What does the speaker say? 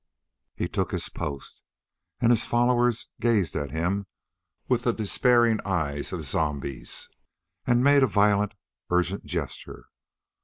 He took his post and his followers gazed at him with the despairing eyes of zombies and made a violent, urgent gesture.